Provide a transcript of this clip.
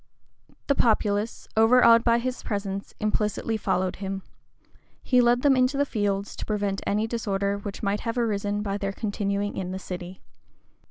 The populace, overawed by his presence, implicitly followed him. He led them into the fields, to prevent any disorder which might have arisen by their continuing in the city.